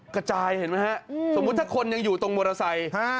กระจายเห็นไหมฮะสมมุติถ้าคนยังอยู่ตรงมอเตอร์ไซค์